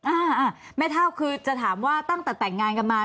อ่าแม่เท่าคือจะถามว่าตั้งแต่แต่งงานกันมา